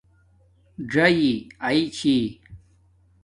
ژآئ آئ چھی